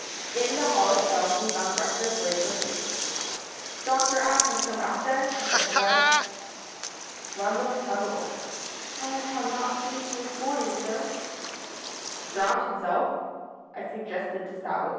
In the hall itself we found breakfast laid for three. "'Dr Ash has come back then?' I said to Rudd. "Rudd looked puzzled. 'I have not seen him this morning, sir.' "'Drowned himself?' I suggested to Stavold.